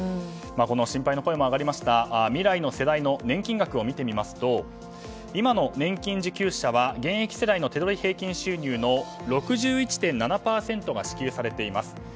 心配な声も上がりました未来の世代の年金額を見てみますと今の年金受給者は現役世代の手取り収入の６１．７％が支給されています。